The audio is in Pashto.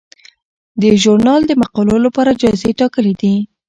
دې ژورنال د مقالو لپاره جایزې ګټلي دي.